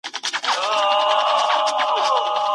ایا موږ ډېري مڼې راوړې؟